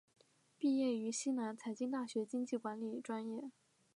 毕业于西南财经大学经济管理专业。